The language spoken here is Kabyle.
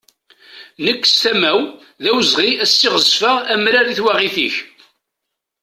Nek, seg tama-w, d awezɣi ad siɣzefeɣ amrar i twaɣit-ik.